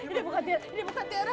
ini bukan tiara